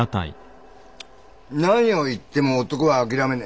何を言っても男は諦めねえ。